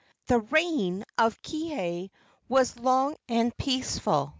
The reign of Kiha was long and peaceful.